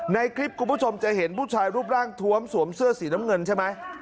ในคลิปคุณผู้ชมจะเห็นผู้ชายรูปร่างทวมสวมเสื้อสีน้ำเงินใช่ไหม